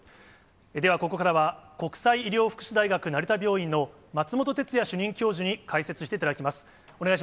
ではここからは国際医療福祉大学成田病院の松本哲哉主任教授に解説していただきます。